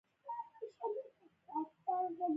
پسه د مالدارۍ برخه ده.